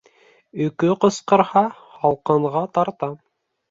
Өкө ҡысҡырһа, һалҡынға тарта.